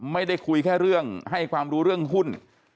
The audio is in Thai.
ไม่ได้คุยแค่เรื่องให้ความรู้เรื่องหุ้น